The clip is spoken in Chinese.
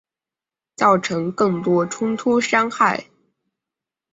造成更多冲突伤害